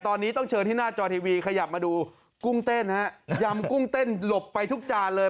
ตอนนี้ต้องเชิญที่หน้าจอทีวีขยับมาดูกุ้งเต้นฮะยำกุ้งเต้นหลบไปทุกจานเลย